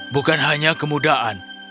bukan hanya kemudahan